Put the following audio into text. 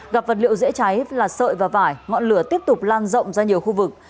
gặp vật liệu dễ cháy là sợi và vải ngọn lửa tiếp tục lan rộng ra nhiều khu vực